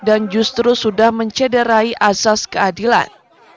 dan justru sudah mencederai asas keadilan